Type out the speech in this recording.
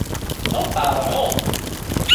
Not bad at all.